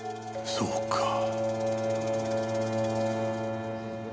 そうか。